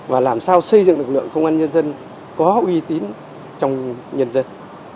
và làm sao xây dựng lực lượng công an nhân dân có uy tín trong nhân dân